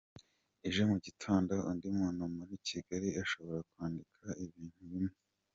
Ejo mu gitondo, undi muntu muri Kigali ashobora kwandika ibintu bimwe.